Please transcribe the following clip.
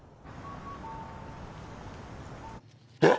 えっ！